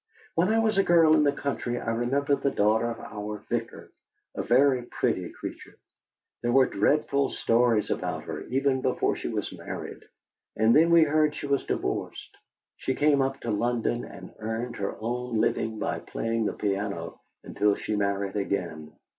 When I was a girl in the country I remember the daughter of our vicar, a very pretty creature. There were dreadful stories about her, even before she was married, and then we heard she was divorced. She came up to London and earned her own living by playing the piano until she married again.